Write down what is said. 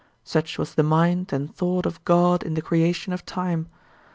Such was the mind and thought of God in the creation of time.